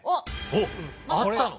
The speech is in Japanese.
おっあったの？